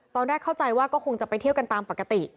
ตอนแรกเข้าใจว่าก็คงจะไปเที่ยวกันตามปกติ